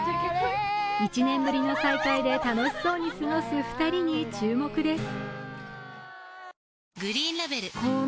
１年ぶりの再会で楽しそうに過ごす２人に注目です。